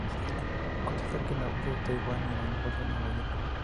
Cotiza en la Bolsa de Taiwán y en la Bolsa de Nueva York.